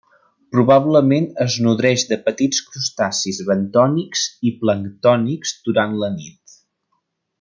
Probablement es nodreix de petits crustacis bentònics i planctònics durant la nit.